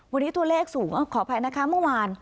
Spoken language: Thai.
วันนี้ตัวเลขสูงขออภัยนะคะเมื่อวาน